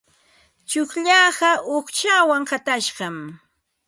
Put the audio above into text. Tsullaaqa uuqshawan qatashqam.